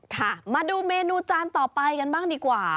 ค่ะมาดูเมนูจานต่อไปกันบ้างดีกว่า